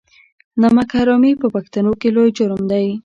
نمک حرامي په پښتنو کې لوی جرم دی.